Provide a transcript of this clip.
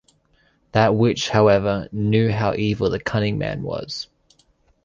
That witch, however, knew how evil the Cunning Man was.